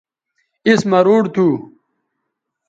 اس مہ روڈ تھو